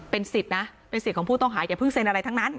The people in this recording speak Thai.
เป็นสิทธิ์นะเป็นสิทธิ์ของผู้ต้องหาอย่าเพิ่งเซ็นอะไรทั้งนั้น